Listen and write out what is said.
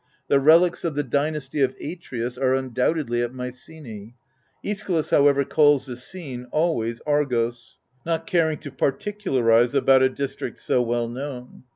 The relics of the dynasty of Atreus are undoubtedly at Mycenae. iEschylus however calls the scene, always, Argos ; not caring to particularise about a district so well known.